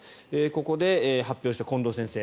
ここで発表した近藤先生